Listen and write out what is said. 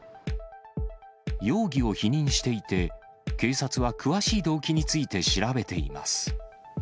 容疑を否認していて、警察は詳しい動機について調べています。